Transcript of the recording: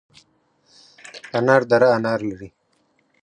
انار دره انار لري؟